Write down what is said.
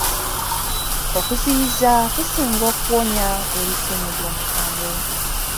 Okuziyiza kusinga okuwonya eri ssenyiga omukambwe.